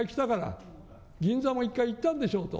銀座も一回行ったんでしょうと。